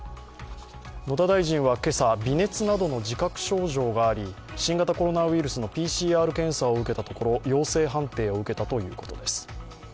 野田大臣は今朝、微熱などの自覚症状があり新型コロナウイルスのＰＣＲ検査を受けたところ陽性判定を受けたということです。